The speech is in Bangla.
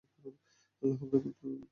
আল্লাহ আপনাকে উত্তম বিনিময় দান করুন।